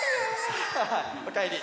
おかえり。